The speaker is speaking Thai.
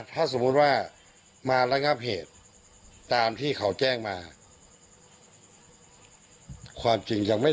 ถ้าสมมุติว่ามาระงับเหตุตามที่เขาแจ้งมาความจริงยังไม่